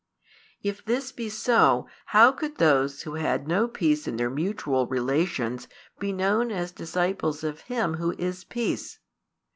If this be so, how could those who had no peace in their mutual relations be known as disciples of [Him Who is] peace?